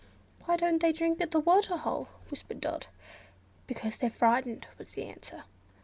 "Why don't they drink at the waterhole?" whispered Dot. "Because they're frightened," was the answer.